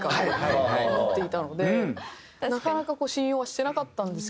なかなか信用はしてなかったんですけど。